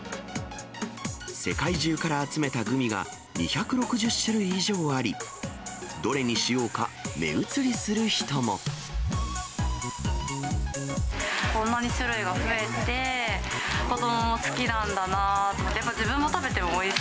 世界中から集めたグミが２６０種類以上あり、どれにしようか目移こんなに種類が増えて、子どもも好きなんだなと。